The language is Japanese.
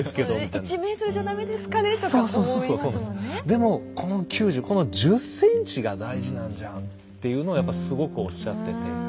でもこの９０この１０ｃｍが大事なんじゃんっていうのはやっぱすごくおっしゃってて。